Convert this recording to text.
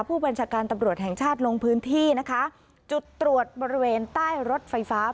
ผู้บัญชาการตำรวจแห่งชาติลงพื้นที่นะคะจุดตรวจบริเวณใต้รถไฟฟ้า